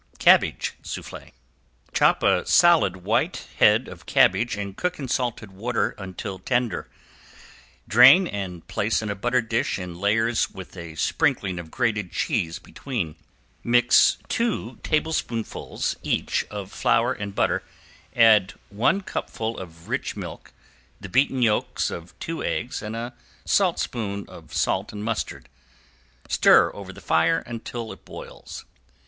~CABBAGE SOUFFLE~ Chop a solid white head of cabbage and cook in salted water until tender. Drain and place in a buttered dish in layers with a sprinkling of grated cheese between. Mix two tablespoonfuls each of flour and butter, add one cupful of rich milk, the beaten yolks of two eggs and a saltspoon of salt and mustard, stir over the fire until it boils.